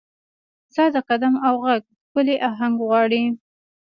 ستا د قدم او ږغ، ښکلې اهنګ غواړي